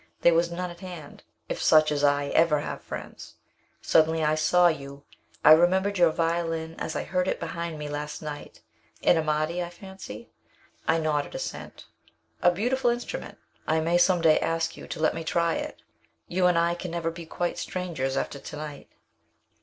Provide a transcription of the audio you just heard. There was none at hand if such as I ever have friends. Suddenly I saw you. I remembered your violin as I heard it behind me last night an Amati, I fancy?" I nodded assent. "A beautiful instrument. I may some day ask you to let me try it you and I can never be quite strangers after to night."